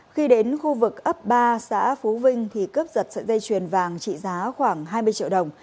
khi đến khu vực ấp ba xã phú vinh thì cướp giật sợi dây chuyền vàng trị giá khoảng hai mươi triệu đồng